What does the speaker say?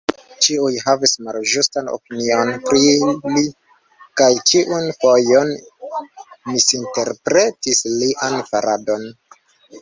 Ĉiuj havis malĝustan opinion pri li kaj ĉiun fojon misinterpretis lian faradon.